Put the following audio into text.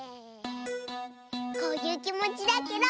こういうきもちだケロ！